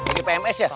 ini pms ya